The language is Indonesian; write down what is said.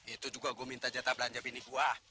itu juga gue minta jatah belanja bini gue